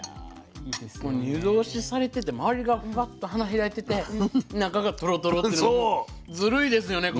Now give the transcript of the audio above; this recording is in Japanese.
湯通しされてて周りがフワッと花開いてて中がトロトロっていうのはもうずるいですよね